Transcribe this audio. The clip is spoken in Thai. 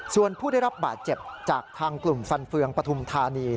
ส่วนผู้ได้รับบาดเจ็บจากทางกลุ่มฟันเฟืองปฐุมธานี